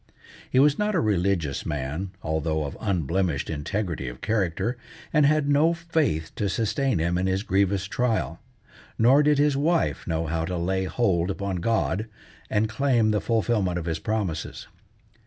He was not a religious man, although of unblemished integrity of character, and had no faith to sustain him in his grievous trial; nor did his wife know how to lay hold upon God, and claim the fulfilment of his promises.